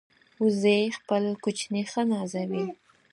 وزې خپل کوچني ښه نازوي